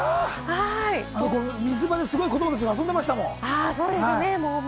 水場で子どもたちが遊んでましたもん。